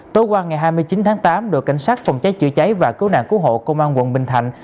tối qua ngày hai mươi chín tháng tám đội cảnh sát phòng cháy chữa cháy và cứu nạn cứu hộ công an quận bình thạnh